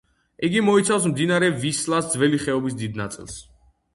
იგი მოიცავს მდინარე ვისლას ძველი ხეობის დიდ ნაწილს.